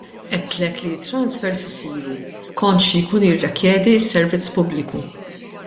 Għedtlek li t-transfers isiru skont xi jkun jirrikjedi s-servizz pubbliku.